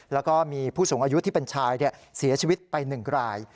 แล้วก็มีผู้สูงอายุที่เป็นชายเสียชีวิตไป๑ราย